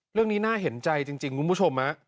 เรื่องนี้น่าเห็นใจจริงคุณผู้ชมนะ